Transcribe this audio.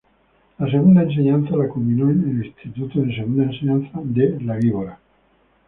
La segunda enseñanza la culminó en el Instituto de Segunda Enseñanza de La Víbora.